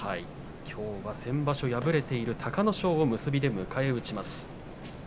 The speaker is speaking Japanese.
きょうは先場所敗れている隆の勝を結びで迎え撃ちます。